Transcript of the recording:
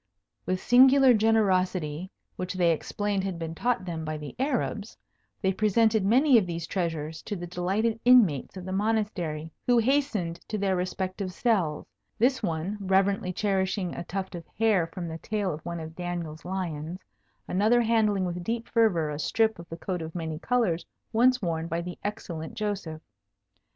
With singular generosity, which they explained had been taught them by the Arabs, they presented many of these treasures to the delighted inmates of the Monastery, who hastened to their respective cells, this one reverently cherishing a tuft of hair from the tail of one of Daniel's lions; another handling with deep fervour a strip of the coat of many colours once worn by the excellent Joseph.